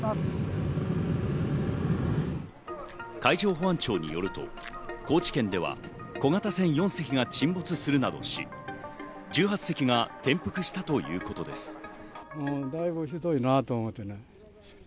海上保安庁によると、高知県では小型船４隻が沈没するなどし、１８隻が転覆したということです。